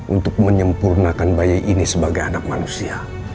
untuk menyempurnakan bayi ini sebagai anak manusia